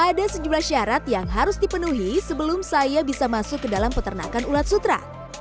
ada sejumlah syarat yang harus dipenuhi sebelum saya bisa masuk ke dalam peternakan ulat sutra